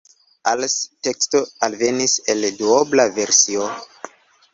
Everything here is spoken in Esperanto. Als teksto alvenis en duobla versio.